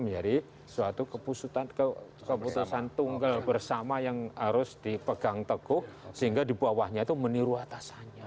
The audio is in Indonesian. menjadi suatu keputusan tunggal bersama yang harus dipegang teguh sehingga di bawahnya itu meniru atasannya